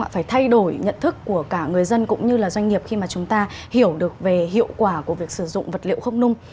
phải thay đổi nhận thức của cả người dân cũng như là doanh nghiệp khi mà chúng ta hiểu được về hiệu quả của việc sử dụng vật liệu không nung